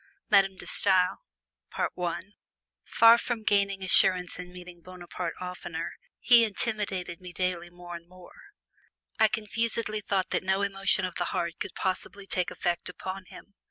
MADAME DE STAEL Far from gaining assurance in meeting Bonaparte oftener, he intimidated me daily more and more. I confusedly felt that no emotion of the heart could possibly take effect upon him.